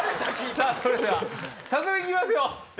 さぁそれでは早速行きますよ。